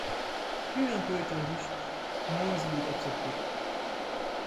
Plus l’impôt est injuste, moins il est accepté.